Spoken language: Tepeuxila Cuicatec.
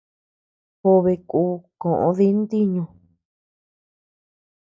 Jobe ku koʼo di ntiñu.